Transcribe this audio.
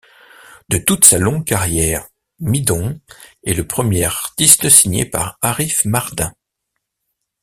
De toute sa longue carrière, Midón est le premier artiste signé par Arif Mardin.